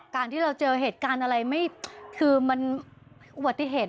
การที่เราเจอเหตุการณ์อะไรไม่คือมันอุบัติเหตุ